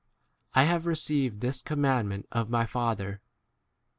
I have received this commandment of my Father.